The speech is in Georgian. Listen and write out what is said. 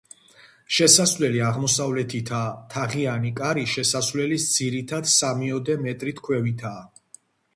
შესასვლელი აღმოსავლეთითაა, თაღიანი კარი შესასვლელის ძირიდან სამიოდე მეტრით ქვევითა.